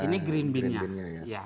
ini green bean nya